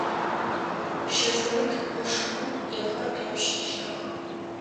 Щэ зэрыт къошыным блэхэр къепшылӀэх.